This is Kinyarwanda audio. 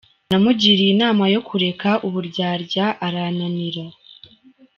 Namugiriye inama yo kureka uburyarya arananira.